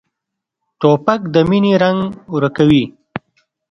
توپک د مینې رنګ ورکوي.